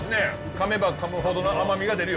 かめばかむほどの甘みが出るよ。